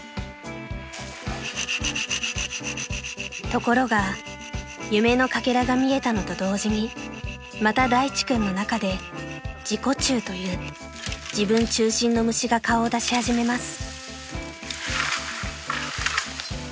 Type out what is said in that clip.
［ところが夢のかけらが見えたのと同時にまた大地君の中で自己中という自分中心の虫が顔を出し始めます］